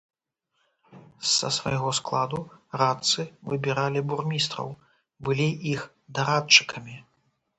Са свайго складу радцы выбіралі бурмістраў, былі іх дарадчыкамі.